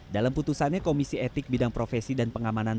dalam putusannya komisi etik bidang profesi dan pengamanan